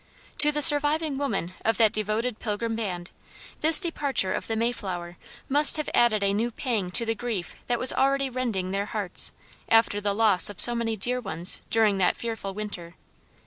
To the surviving women of that devoted Pilgrim band this departure of the Mayflower must have added a new pang to the grief that was already rending their hearts after the loss of so many dear ones during that fearful winter.